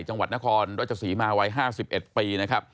จังหวัดนครรศมาวัย๕๑ปี